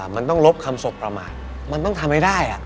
มันต้องลบคำสบประมาทมันต้องทำให้ได้